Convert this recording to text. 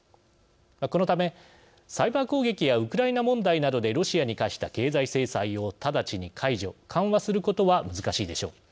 このためサイバー攻撃やウクライナ問題などでロシアに科した経済制裁を直ちに解除・緩和することは難しいでしょう。